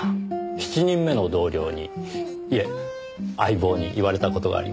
７人目の同僚にいえ相棒に言われた事があります。